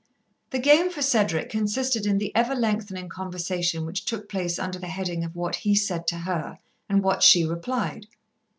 The game for Cedric consisted in the ever lengthening conversation which took place under the heading of what he said to her and what she replied.